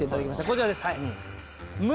こちらですはい。